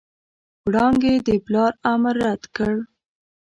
وړانګې د پلار امر رد کړ.